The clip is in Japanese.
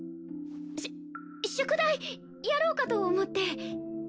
し宿題やろうかと思って。